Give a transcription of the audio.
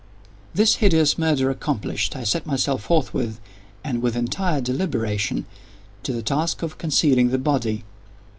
This hideous murder accomplished, I set myself forthwith, and with entire deliberation, to the task of concealing the body.